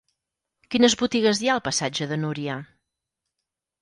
Quines botigues hi ha al passatge de Núria?